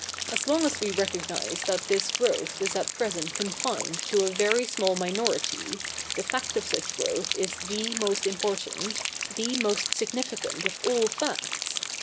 ' As long as we recognise that this growth is at present confined to a very small minority, the fact of such growth is the most important, the most significant of all facts.